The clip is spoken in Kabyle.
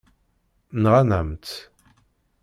Nɣan-am-tt.